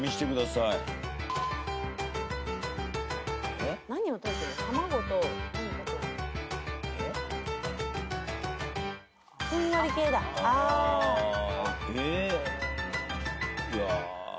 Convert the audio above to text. いや。